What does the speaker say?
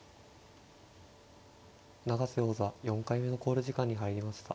永瀬王座４回目の考慮時間に入りました。